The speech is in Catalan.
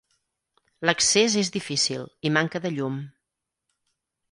L'accés és difícil i manca de llum.